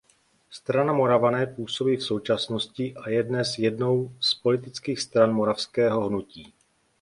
Strana Moravané působí v současnosti a je dnes jednou z politických stran moravského hnutí.